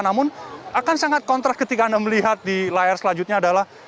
namun akan sangat kontras ketika anda melihat di layar selanjutnya adalah